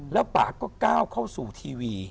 แล้วป่าก็ก้าวเข้าสู่ทีวี